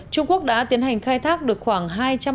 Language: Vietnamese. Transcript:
trung quốc đã tiến hành khai thác được khoảng